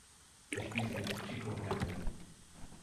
Er spielte mit Chico Hamilton.